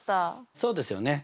そうですよね。